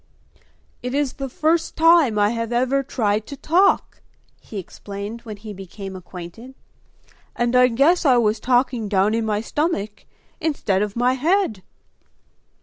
"It is the first time I have ever tried to talk," he explained when he became acquainted, "and I guess I was talking down in my stomach instead of my head!"